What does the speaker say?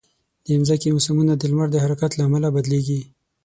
د مځکې موسمونه د لمر د حرکت له امله بدلېږي.